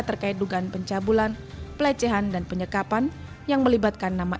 terkait dugaan pencabulan pelecehan dan penyekapan yang melibatkan nama